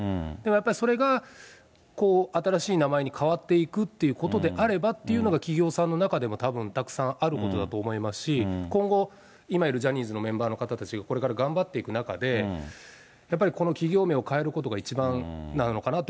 やっぱりそれが新しい名前に変わっていくっていうことであれば、企業さんの中では、たぶんたくさんあることだと思いますし、今後、今いるジャニーズのメンバーの方たちが、これから頑張っていく中で、やっぱりこの企業名を変えることが一番なのかなって。